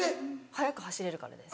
速く走れるからです。